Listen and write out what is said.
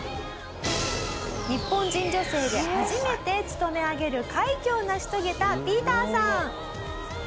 日本人女性で初めて務め上げる快挙を成し遂げたＰＩＥＴＥＲさん。